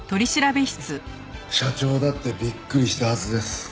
社長だってびっくりしたはずです。